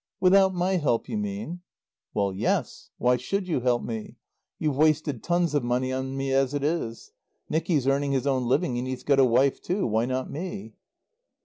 "Without my help, you mean?" "Well, yes. Why should you help me? You've wasted tons of money on me as it is. Nicky's earning his own living, and he's got a wife, too. Why not me?"